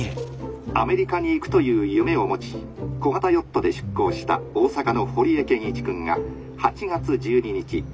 アメリカに行くという夢を持ち小型ヨットで出航した大阪の堀江謙一君が８月１２日